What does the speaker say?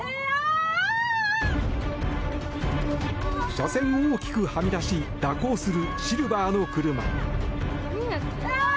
車線を大きくはみ出し蛇行するシルバーの車。